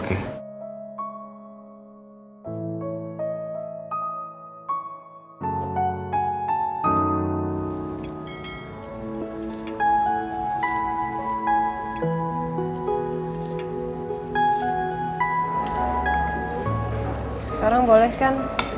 gak boleh kan